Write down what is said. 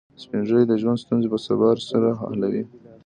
سپین ږیری د ژوند ستونزې په صبر سره حلوي